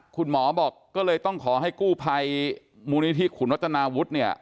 คุณหมอบอกก็เลยต้องขอให้กู้ภัยมูลนิธิขุนวัฒนาวุฒิเนี่ย